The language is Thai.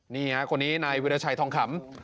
เนี่ยคนนี้ณะเพียรตชะยทองขำ